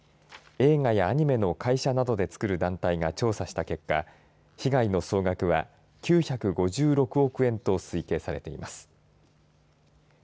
映画やアニメの会社などでつくる団体が調査した結果、被害の総額は９５６億円と推定されています。